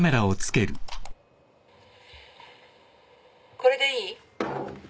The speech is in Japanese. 「これでいい？」